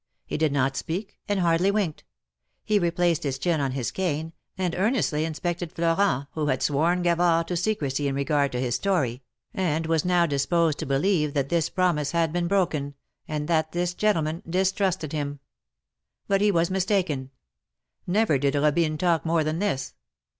He did not speak, and hardly winked. He replaced his chin on his cane, and earnestly inspected Florent, who had sworn Gavard to secrecy in regard to his story, and was now disposed to believe that this promise had been broken, and that this gentleman distrusted him. But he was mistaken. Never did Robine talk more than this.